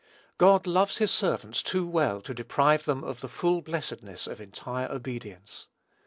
God loves his servants too well to deprive them of the full blessedness of entire obedience.